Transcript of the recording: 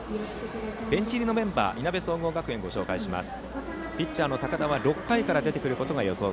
ベンチ入りメンバーいなべ総合学園、ご紹介します。